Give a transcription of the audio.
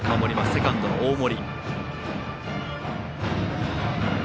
セカンドの大森。